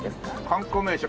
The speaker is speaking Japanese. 観光名所